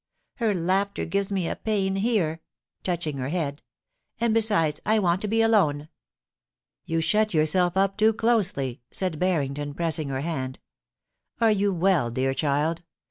Her laughter gives me a pain here,' touching her head ;* and besides, I want to be alone.' *You shut yourself up too closely,' said Harrington, pressing her hand. * Are you well, dear child